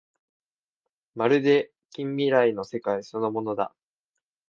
まるで近未来の世界そのものだ